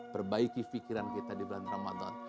perbaiki pikiran kita di bulan ramadan